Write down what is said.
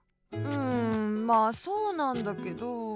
うんまあそうなんだけど。